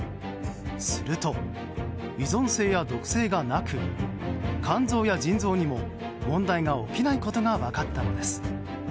すると、依存性や毒性がなく肝臓や腎臓にも問題が起きないことが分かったのです。